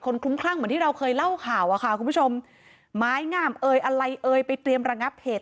คลุ้มคลั่งเหมือนที่เราเคยเล่าข่าวอะค่ะคุณผู้ชมไม้งามเอ่ยอะไรเอ่ยไปเตรียมระงับเหตุ